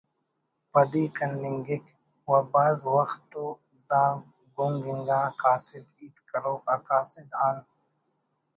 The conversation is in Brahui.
پدی کننگک و بھاز وخت تو دا گُنگ انگا قاصد ہیت کروک آ قاصد آن